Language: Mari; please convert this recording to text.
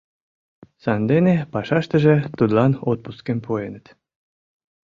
Сандене пашаштыже тудлан отпускым пуэныт.